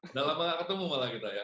udah lama gak ketemu malah kita ya